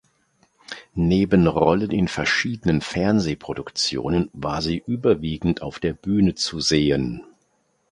Neben Rollen in verschiedenen Fernsehproduktionen war sie überwiegend auf der Bühne zu sehen.